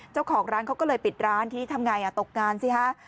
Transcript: เจ้าของร้านเขาก็เลยปิดร้านทีทำไงตกงานสิฮะ